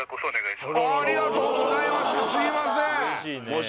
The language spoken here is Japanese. すいません